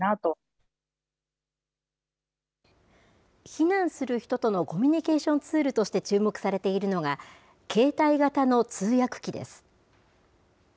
避難する人とのコミュニケーションツールとして注目されているのが、携帯型の通訳機です。